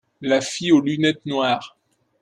La fille aux lunettes noires.